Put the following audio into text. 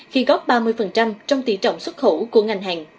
khi góp ba mươi trong tỷ trọng xuất khẩu của ngành hàng